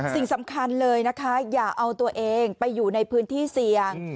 สิ่งสำคัญเลยนะคะอย่าเอาตัวเองไปอยู่ในพื้นที่เสี่ยง